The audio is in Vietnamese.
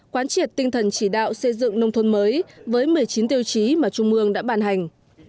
quán triệt tinh thần chỉ đạo xây dựng nông thôn mới với một mươi chín tiêu chí mà trung mương đã bàn hành